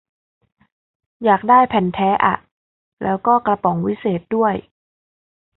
อยากได้แผ่นแท้อะ แล้วก็กระป๋องวิเศษด้วย